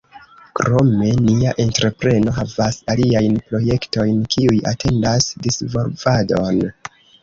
Krome, nia entrepreno havas aliajn projektojn kiuj atendas disvolvadon.